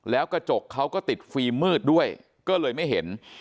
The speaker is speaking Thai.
แล้วกระจกเขาก็ติดฟิล์มมืดด้วยก็เลยไม่เห็น